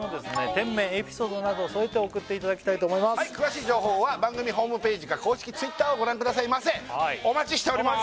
店名エピソードなどを添えて送っていただきたいと思います詳しい情報は番組ホームページか公式Ｔｗｉｔｔｅｒをご覧くださいませお待ちしております